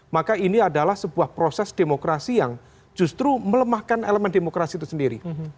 maka ini adalah sebuah proses demokrasi yang justru melemahkan elemen demokrasi itu sendiri